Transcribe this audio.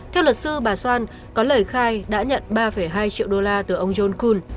theo luật sư bà soan có lời khai đã nhận ba hai triệu đô la từ ông john kuhn